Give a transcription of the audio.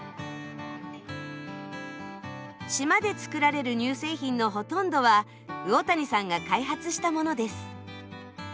島で作られる乳製品のほとんどは魚谷さんが開発したものです。